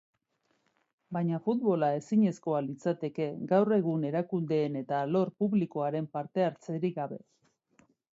Baina futbola ezinezkoa litzateke gaur egun erakundeen eta alor publikoaren parte hartzerik gabe.